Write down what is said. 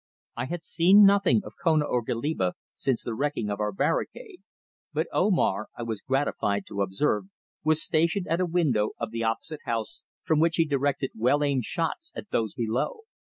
I had seen nothing of Kona or Goliba since the wrecking of our barricade, but Omar, I was gratified to observe, was stationed at a window of the opposite house from which he directed well aimed shots at those below.